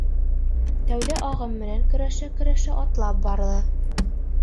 Тәүҙә ағым менән көрәшә-көрәшә атлап барҙы.